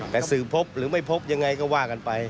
แต่สื่อพบหรือไม่พบยังไงก็ว่ากันไป